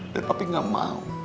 dan papi gak mau